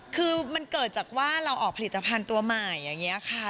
คือมันเกิดจากว่าเราออกผลิตภัณฑ์ตัวใหม่อย่างนี้ค่ะ